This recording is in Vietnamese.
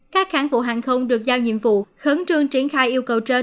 các kháng vụ hàng không được giao nhiệm vụ khấn trương triển khai yêu cầu trên